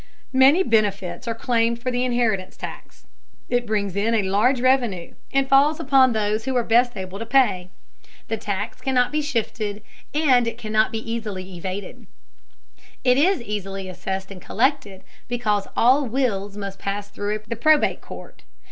Many benefits are claimed for the inheritance tax. It brings in a large revenue, and falls upon those who are best able to pay. The tax cannot be shifted and it cannot easily be evaded. It is easily assessed and collected, because all wills must pass through the probate court.